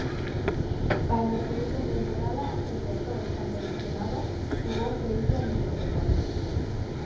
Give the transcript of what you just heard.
Para la siguiente temporada, que empezó estando lesionado, jugó cedido en el Tropezón.